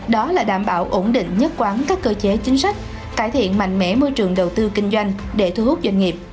đó là đảm bảo ổn định nhất quán các cơ chế chính sách cải thiện mạnh mẽ môi trường đầu tư kinh doanh để thu hút doanh nghiệp